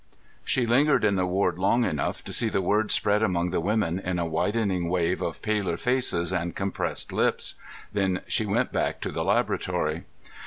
She lingered in the ward long enough to see the word spread among the women in a widening wave of paler faces and compressed lips; then she went back to the laboratory.